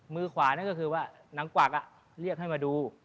มือขวานั่นก็คือว่านางกวักเรียกให้มาดู